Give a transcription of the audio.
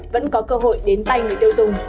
vẫn có cơ hội đến tay người tiêu dùng